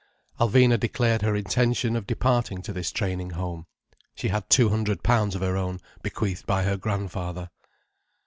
Alvina declared her intention of departing to this training home. She had two hundred pounds of her own, bequeathed by her grandfather.